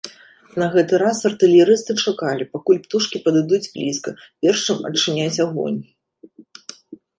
На гэты раз артылерысты чакалі, пакуль птушкі падыдуць блізка, перш чым адчыняць агонь.